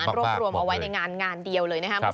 รวมเอาไว้ในงานเดียวเลยนะครับ